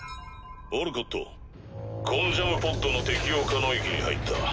オルコットコンジャムポッドの適用可能域に入った。